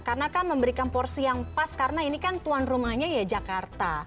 karena kan memberikan porsi yang pas karena ini kan tuan rumahnya ya jakarta